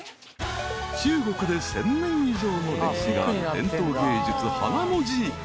［中国で１，０００年以上の歴史がある伝統芸術花文字］